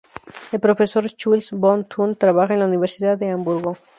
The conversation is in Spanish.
El profesor Schulz von Thun trabaja en la universidad de Hamburgo.